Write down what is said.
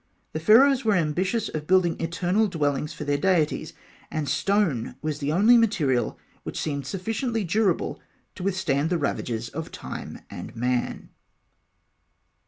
The Pharaohs were ambitious of building eternal dwellings for their deities, and stone was the only material which seemed sufficiently durable to withstand the ravages of time and man.